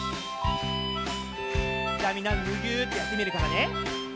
じゃあみんなムギューってやってみるからね。